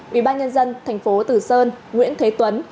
ủy ban nhân dân tp tử sơn nguyễn thế tuấn